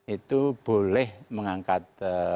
itu boleh mengangkat